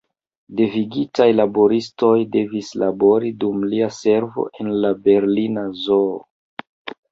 Devigitaj laboristoj devis labori dum lia servo en la Berlina Zoo.